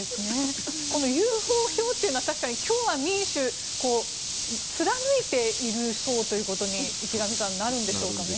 このＵＦＯ票というのは確かに共和・民主貫いている層ということになるんでしょうかね。